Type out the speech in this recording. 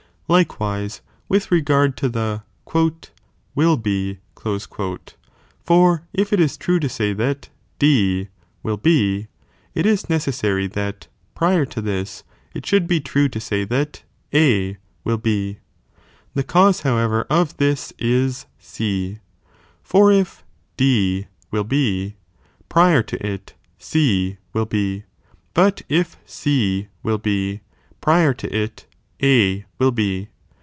Likewise with regard lo the Bliier'''' *"* "will be," for if it is true to say that D will be, it is necessary that, prior to this, it should be true to say that A will be, the cause however of tliis is C, for if D will be, prior to it C will be, but if C will be, prior to it A will be.